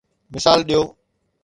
مثال ڏيو.